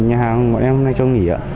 nhà hàng bọn em hôm nay trong nghỉ ạ